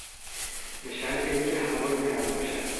به شرط این که هوا گرم باشد